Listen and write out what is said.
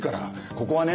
ここはね